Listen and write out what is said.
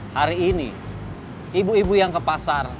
hari ini ibu ibu yang ke pasar